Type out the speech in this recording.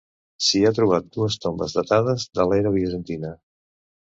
S'hi ha trobat dues tombes datades de l'era bizantina.